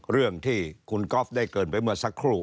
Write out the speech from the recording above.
เรื่องที่คุณก๊อฟได้เกินไปเมื่อสักครู่